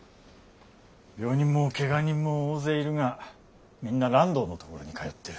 病人もけが人も大勢いるがみんな爛堂の所に通ってる。